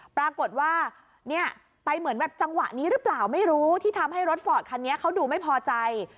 ปรากฏว่าเนี่ยไปเหมือนแบบจังหวะนี้หรือเปล่าไม่รู้ที่ทำให้รถฟอร์ดคันนี้เขาดูไม่พอใจ